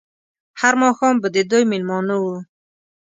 هر ماښام به د دوی مېلمانه وو.